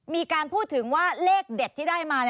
มีการพูดถึงว่าเลขเด็ดที่ได้มา